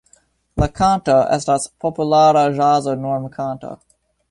La kanto estas populara ĵaza normkanto.